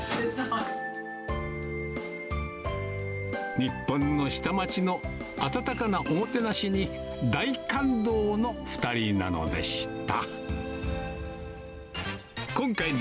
日本の下町の温かなおもてなしに、大感動の２人なのでした。